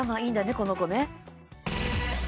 この子ね。